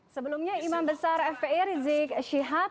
sebelumnya imam besar fpi rizik syihab